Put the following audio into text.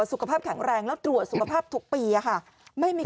สุขภาพแข็งแรงแล้วตรวจสุขภาพทุกปีค่ะ